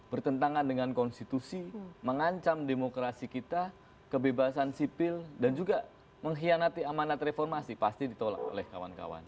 bertentangan dengan konstitusi mengancam demokrasi kita kebebasan sipil dan juga mengkhianati amanat reformasi pasti ditolak oleh kawan kawan